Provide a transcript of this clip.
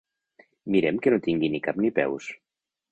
Mirem que no tingui ni cap ni peus.